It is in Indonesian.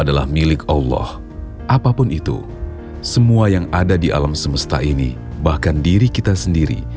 adalah milik allah apapun itu semua yang ada di alam semesta ini bahkan diri kita sendiri